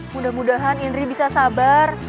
mudah mudahan indri bisa sabar